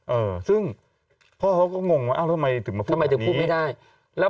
เออซึ่งพ่อเขาก็งงว่าเอ้าทำไมถึงมาพูดทำไมถึงพูดไม่ได้แล้ว